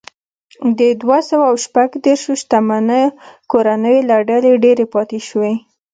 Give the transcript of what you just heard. د دوه سوه شپږ دېرش شتمنو کورنیو له ډلې ډېرې پاتې شوې.